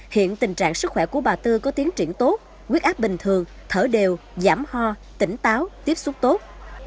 hiện tình trạng sức khỏe của bà tư có tiến triển tốt quyết áp bình thường thở đều giảm ho tỉnh táo tiếp xúc tốt